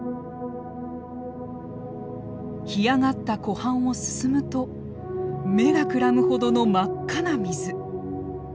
干上がった湖畔を進むと目がくらむほどの真っ赤な水。